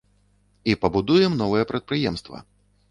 І пабудуем новае прадпрыемства!